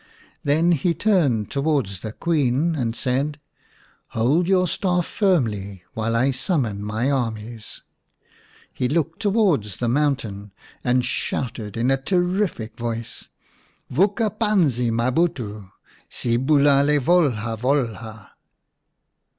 Then he turned towards the Queen and said, " Hold your staff firmly while I summon my armies." He looked towards the mountain and shouted in a terrific voice :" Vuka panzi, inabtitu, Si bulale Volha Volha."